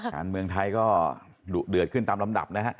การเมืองไทยก็ดุเดือดขึ้นตามลำดับนะฮะ